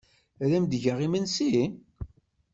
Ad am-d-geɣ imensi?